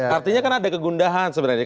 artinya kan ada kegundahan sebenarnya